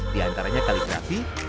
di antaranya kaligrafi pakaian tersebut